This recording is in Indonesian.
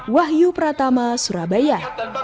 wahyu pratama surabaya